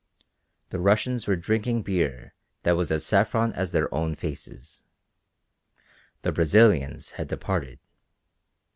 The Russians were drinking beer that was as saffron as their own faces. The Brazilians had departed.